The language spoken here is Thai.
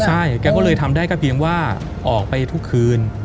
ใช่แกก็เลยทำได้ก็เพียงว่าออกไปทุกคืน